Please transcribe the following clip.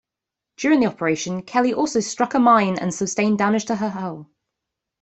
During the operation, "Kelly" also struck a mine and sustained damage to her hull.